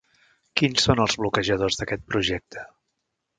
Quins són els bloquejadors d'aquest projecte?